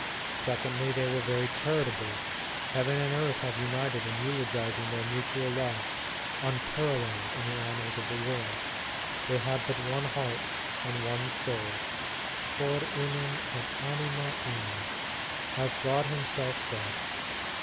Secondly, they were very charitable. Hea ven and earth have united in eulogizing their mutual love, unparalleled in the annals of the world. They had but one heart and one soul: Cor unum et anima una, has God himself said.